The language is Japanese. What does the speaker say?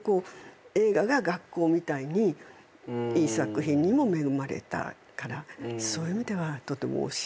映画が学校みたいにいい作品にも恵まれたからそういう意味ではとても幸せだったと思うんですね。